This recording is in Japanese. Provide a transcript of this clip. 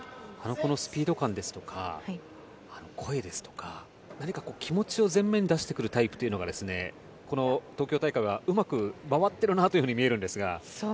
このスピード感ですとか声ですとか何か気持ちを前面に出してくるタイプというのはこの東京大会はうまく回っているなと見えるんですが。